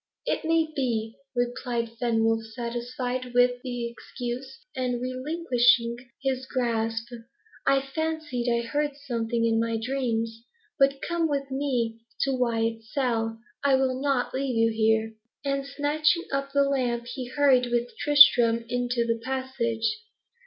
"It may be," replied Fenwolf, satisfied with the excuse, and relinquishing his grasp. "I fancied I heard something in my dreams. But come with me to Wyat's cell. I will not leave you here." And snatching up the lamp, he hurried with Tristram into the passage.